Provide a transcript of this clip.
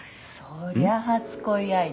「そりゃ初恋相手」